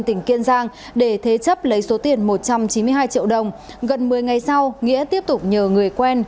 tỉnh kiên giang để thế chấp lấy số tiền một trăm chín mươi hai triệu đồng gần một mươi ngày sau nghĩa tiếp tục nhờ người quen